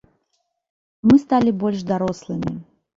Мы сталі больш дарослымі.